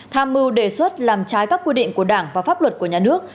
tham mưu đề xuất làm trái các quy định của đảng và pháp luật của nhà nước